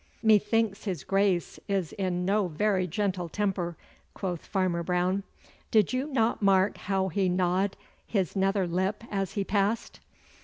'Methinks his Grace is in no very gentle temper,' quoth Farmer Brown. 'Did you not mark how he gnawed his nether lip as he passed?